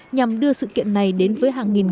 nhằm đưa sự kiện này đến với hàng nghìn người